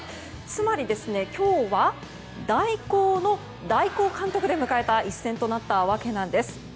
つまり、今日は代行の代行監督で迎えた一戦となったわけなんです。